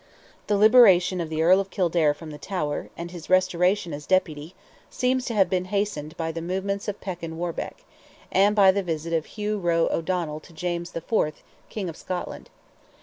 The liberation of the Earl of Kildare from the Tower, and his restoration as Deputy, seems to have been hastened by the movements of Perkin Warbeck, and by the visit of Hugh Roe O'Donnell to James IV., King of Scotland.